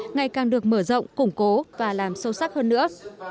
ngày càng được mở rộng củng cố và làm sâu sắc hơn nữa